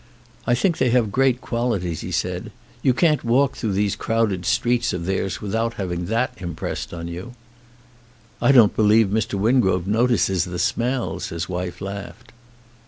"I think they have great qualities," he said. "You can't walk through those crowded streets of theirs without having that impressed on you." "I don't believe Mr. Wingrove notices the smells," his wife laughed.